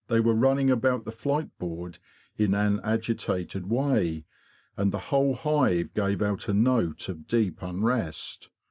They were running about the flight board in an agitated way, and the whole hive gave out a note of deep unrest.